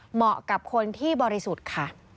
เหมาะกับคนที่บริสุทธิ์ค่ะ